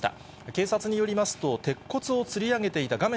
警察によりますと、鉄骨をつり上げていた画面